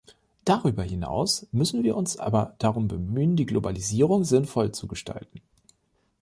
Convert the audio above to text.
Darüber hinaus müssen wir uns aber darum bemühen, die Globalisierung sinnvoll zu gestalten.